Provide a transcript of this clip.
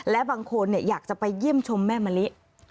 และบางคนอยากจะไปเยี่ยมชมแม่มะลิ